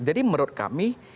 jadi menurut kami